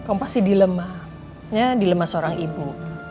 apa sih dilemahnya dilemah seorang ibu